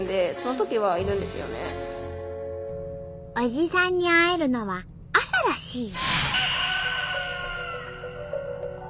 おじさんに会えるのは朝らしい。